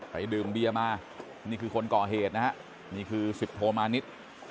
ดื่มเบียมานี่คือคนก่อเหตุนะฮะนี่คือสิบโทมานิด